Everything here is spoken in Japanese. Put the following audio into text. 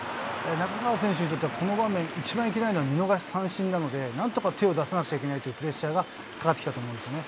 中川選手にとってはこの場面、一番いけないのは、見逃し三振なので、なんとか手を出さなくちゃいけないというプレッシャーがかかってきたと思うんですね。